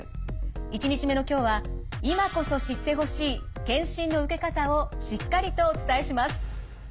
１日目の今日は今こそ知ってほしい検診の受け方をしっかりとお伝えします。